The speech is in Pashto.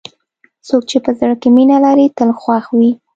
څوک چې په زړه کې مینه لري، تل خوښ وي.